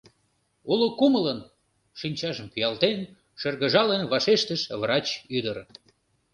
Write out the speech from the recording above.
— Уло кумылын! — шинчажым пӱялтен, шыргыжалын вашештыш врач ӱдыр.